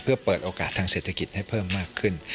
เพื่อเปิดโอกาสทางเศรษฐกิจให้เพิ่มมากขึ้น